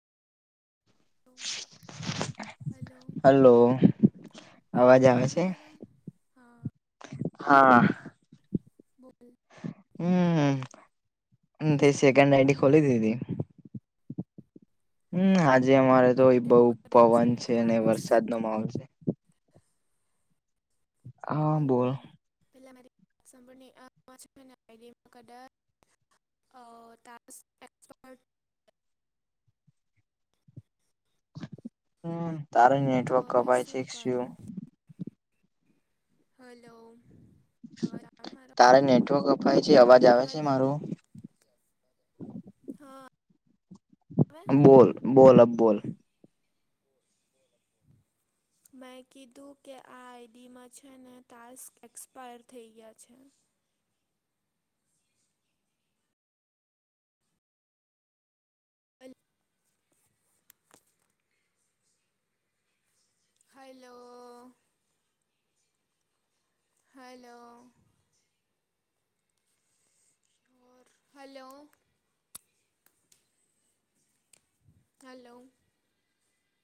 [inaudible] Hello, hello અવાજ આવે મારો? હા. હા. બોલ. કરે હમ તે સેકન્ડ આઈડી ખોલી દીધી. હમ આજે છે અમારે તો બહુ એમાં કદાચ પવન ને છે અને વરસાદ ટાસ્ક નો માહોલ છે. હા બોલ. હોવું પહેલા મારી સંપૂર્ણ પા છ મહિના કરદર અ ત [unintelligible] હમ તારે તો નેટવર્ક હવે કપાય છે શું? કરું હલો, અવાજ આવે મારો? તારે નેટવર્ક અપાય છે અવાજ આવે છે હલો મારો? હા. આવે બોલ બોલ અબ બોલ. બોલબો. [unintelligible] મેં કીધું કે આ આઈડીમાં છે ને ટાસ્ક એક્સપાયર થઈ ગયા છે. બલ. [unintelligible] હલો. હલો. ઓર હલો હલો.